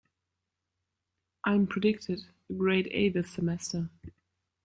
I'm predicted a grade A this semester.